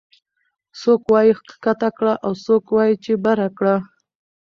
څوک وايي ښکته کړه او څوک وايي چې بره کړه